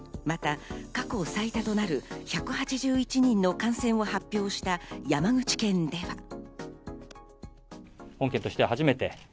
また過去最多となる１８１人の感染を発表した山口県では。